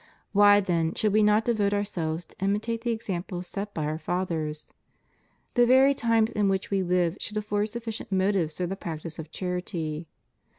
Why, then, should we not devote ourselves to imitate the examples set by our fathers? The very times in which we live should afford sufficient motives for the practice of charity.